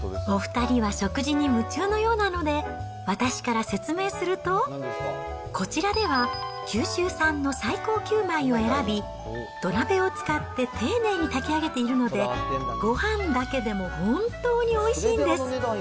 お２人は食事に夢中のようなので、私から説明すると、こちらでは、九州産の最高級米を選び、土鍋を使って丁寧に炊き上げているので、ごはんだけでも本当においしいんです。